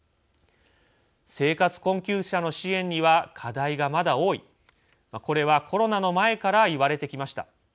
生活困窮者の支援には課題がまだ多いこれはコロナの前から言われてきました。